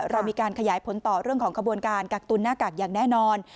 เรามีการขยายผลต่อเรื่องของขบวนการกักตุนหน้ากากอย่างแน่นอน